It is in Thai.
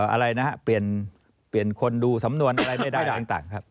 อะไรนะฮะเปลี่ยนเปลี่ยนคนดูสำนวนอะไรไม่ได้ต่างครับ